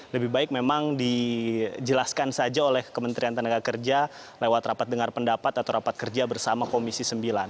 lebih baik memang dijelaskan saja oleh kementerian tenaga kerja lewat rapat dengar pendapat atau rapat kerja bersama komisi sembilan